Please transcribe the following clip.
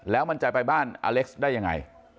แล้วมันจะไปบ้านอเล็กซ์ได้ยังไง